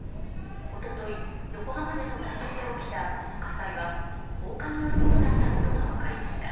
一昨日、横浜市の団地で起きたこの火災は放火によるものだったことが分かりました。